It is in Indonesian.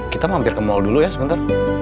kita mampir ke mall dulu ya sebentar